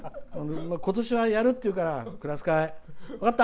ことしは、やるっていうからクラス会。